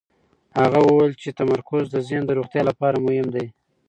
هغه وویل چې تمرکز د ذهن د روغتیا لپاره مهم دی.